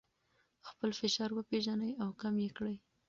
خپل فشار وپیژنئ او کم یې کړئ.